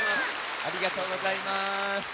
ありがとうございます。